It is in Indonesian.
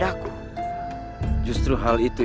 dan membuatnya menjadi seorang yang berguna